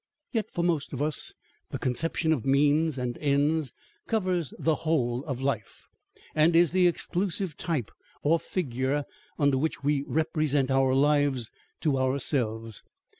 Yet, for most of us, the conception of means and ends covers the whole of life, and is the exclusive type or figure under which we represent our lives to ourselves.